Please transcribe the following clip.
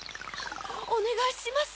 おねがいします。